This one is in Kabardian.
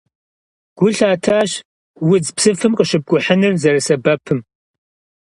Гу лъатащ удз псыфым къыщыпкӀухьыныр зэрысэбэпым.